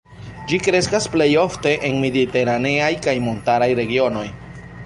Ĝi kreskas plej ofte en mediteraneaj kaj montaraj regionoj.